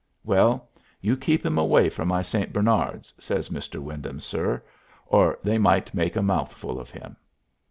"Well, you keep him away from my St. Bernards," says "Mr. Wyndham, sir," "or they might make a mouthful of him."